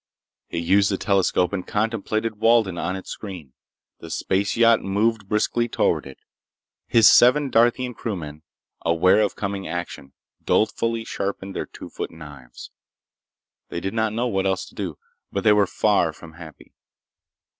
He used the telescope and contemplated Walden on its screen. The space yacht moved briskly toward it. His seven Darthian crewmen, aware of coming action, dolefully sharpened their two foot knives. They did not know what else to do, but they were far from happy.